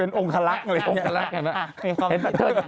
เป็นองคลรักท์อะไรเงี้ย